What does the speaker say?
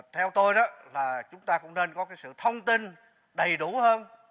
theo tôi đó là chúng ta cũng nên có sự thông tin đầy đủ hơn